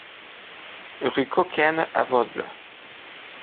Rue Coquaine à Vosbles